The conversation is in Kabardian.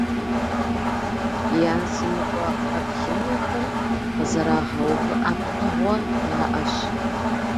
Языныкъуэ къэблэмэхэм къызэрагъэувыӀэ пкъыгъуэ яӀэщ.